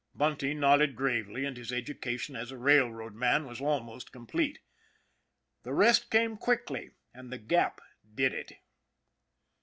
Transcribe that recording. Bunty nodded gravely, and his education as a rail road man was almost complete. The rest came quickly, and the Gap did it.